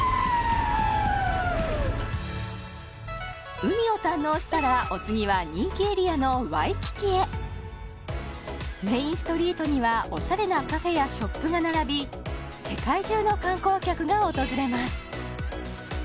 海を堪能したらお次は人気エリアのワイキキへメインストリートにはオシャレなカフェやショップが並び世界中の観光客が訪れます